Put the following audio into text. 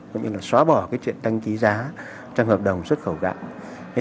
tức là xóa bỏ cái chuyện tăng ký giá trong hợp đồng xuất khẩu gạo